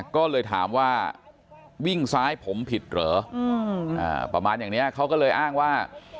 ก็เลยถามว่าวิ่งซ้ายผมผิดเหรอประมาณอย่างนี้เขาก็เลยอ้างว่า